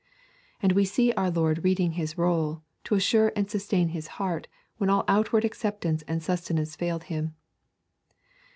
And we see our Lord reading His roll to assure and sustain His heart when all outward acceptance and sustenance failed Him.